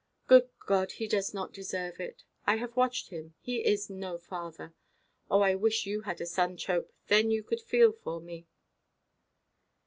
Good God, he does not deserve it—I have watched him—he is no father. Oh, I wish you had a son, Chope; then you could feel for me."